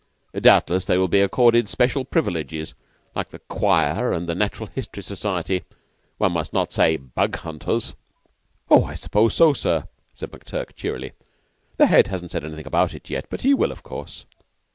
Doubtless they will be accorded special privileges, like the Choir and the Natural History Society one must not say Bug hunters." "Oh, I suppose so, sir," said McTurk, cheerily. "The Head hasn't said anything about it yet, but he will, of course."